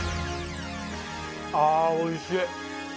ああーおいしい！